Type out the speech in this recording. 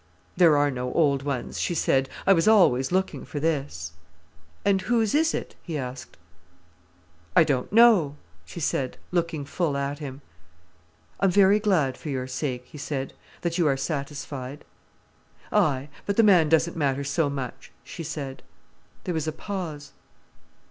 "There are no old ones," she said. "I was always looking for this." "And whose is it?" he asked. "I don't know," she said, looking full at him. "I'm very glad, for your sake," he said, "that you are satisfied." "Aye—but the man doesn't matter so much," she said. There was a pause.